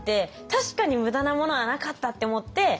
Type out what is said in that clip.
確かに無駄なものはなかったって思って。